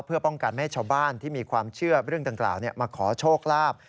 เพื่อป้องกันไม่ให้ชาวบ้านที่มีความเชื่อเรื่องดังกล่าวมาขอโชคลาภ